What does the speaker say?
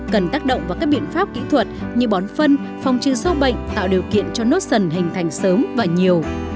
cần tác động vào các biện pháp kỹ thuật như bón phân phòng trừ sâu bệnh tạo điều kiện cho nốt sần hình thành sớm và nhiều